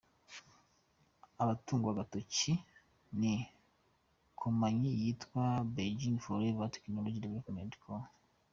Abatungwa agatoki ni komanyi yitwa Beijing Forever Technology Development Co.